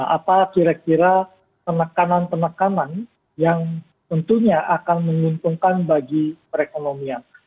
apa kira kira penekanan penekanan yang tentunya akan menguntungkan bagi perekonomian